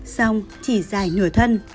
xong chỉ dài nửa thân